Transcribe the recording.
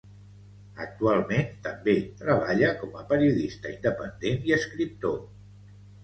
Actualment també treballa com a periodista independent i escriptor.